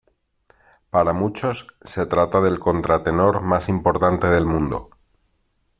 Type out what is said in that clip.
Para muchos se trata del contratenor más importante del mundo.